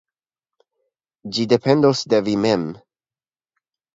Ĝi dependos de vi mem.